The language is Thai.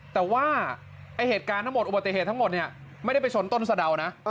แต่ว่าเหตุการณ์ทั้งหมดอุบัติเหตุทั้งหมดเนี่ยไม่ได้ไปชนต้นสะดาวนะ